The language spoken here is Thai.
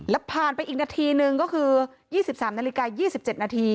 แล้วผ่านไปอีกนาทีหนึ่งก็คือ๒๓นาฬิกา๒๗นาที